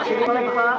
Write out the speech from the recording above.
sini kiri dulu